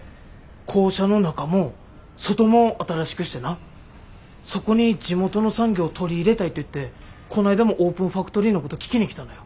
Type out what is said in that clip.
校舎の中も外も新しくしてなそこに地元の産業取り入れたいって言ってこの間もオープンファクトリーのこと聞きに来たのよ。